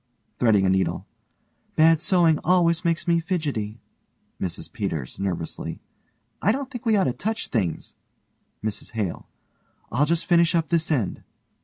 (threading a needle) Bad sewing always made me fidgety. MRS PETERS: I don't think we ought to touch things. MRS HALE: I'll just finish up this end.